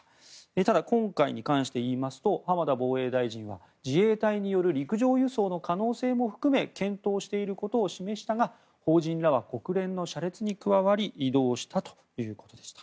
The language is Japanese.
ただ、今回に関して言いますと浜田防衛大臣は自衛隊による陸上輸送の可能性も含め検討していることを示したが邦人らは国連の車列に加わり移動したということでした。